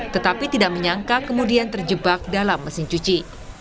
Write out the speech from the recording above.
tetapi tidak menyangka kemudian terjebak dalam mesin cuci